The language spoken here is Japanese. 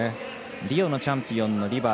リオのチャンピオンのリバー。